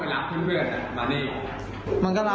เพราะว่า